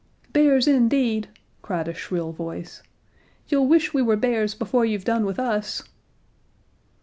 "Bears, indeed," cried a shrill voice. "You'll wish we were bears before you've done with us."